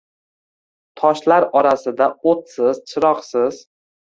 Toshlar orasida o’tsiz, chiroqsiz.